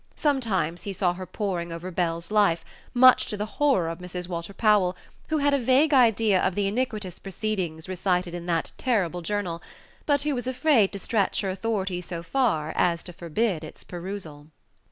Sometimes he saw her poring over Bell's Life, much to the horror of Mrs. Walter Powell, who had a vague idea of the iniquitous proceedings recited in that terrible journal, but who was afraid to stretch her authority so far as to forbid its perusal.